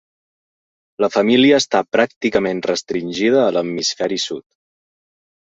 La família està pràcticament restringida a l'hemisferi sud.